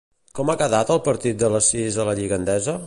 Com ha quedat el partit de les sis de la Lliga Endesa?